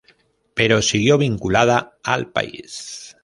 Pero siguió vinculada al país.